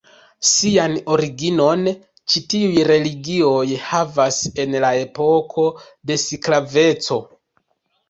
Sian originon ĉi tiuj religioj havas en la epoko de sklaveco.